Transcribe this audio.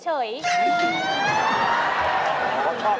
จำเลยนะไม่เลี้ยงจริง